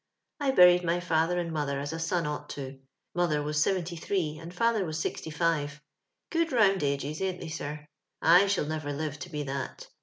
I buried my father and mother as a son onght to. Mother was seventy three and father was sixty five, — good round ages, aint they, sir? I shall never live to be that.